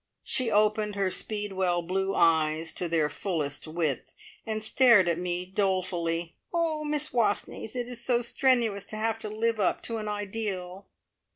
She opened her speedwell blue eyes to their fullest width, and stared at me dolefully. "Oh, Miss Wastneys, it is so strenuous to have to live up to an ideal!"